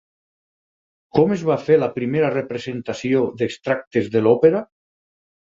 Com es va fer la primera representació d'extractes de l'òpera?